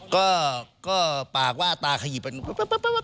ก็ปากว่าตาขยิบไปปุ๊บ